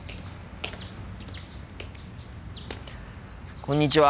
こんにちは。